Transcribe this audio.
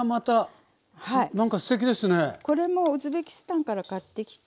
これもウズベキスタンから買ってきた。